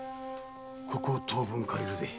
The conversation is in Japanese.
ここを当分借りるぜ。